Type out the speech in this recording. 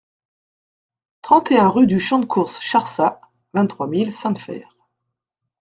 trente et un rue du Champ de Course Charsat, vingt-trois mille Sainte-Feyre